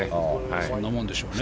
そんなもんでしょうね。